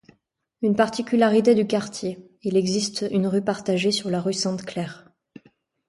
Une particularité du quartier, il existe une rue partagée sur la rue Sainte-Claire.